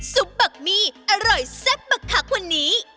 ซุปบักมีอร่อยแซ่บบักคักวันนี้